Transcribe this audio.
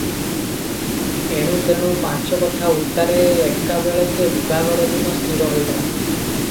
ଏଣୁତେଣୁ ପାଞ୍ଚ କଥା ଉତ୍ତାରେ ଏକାବେଳକେ ବିଭାଘର ଦିନ ସ୍ଥିର ହୋଇଗଲା ।